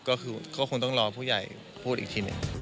ก็คือก็คงต้องรอผู้ใหญ่พูดอีกทีหนึ่ง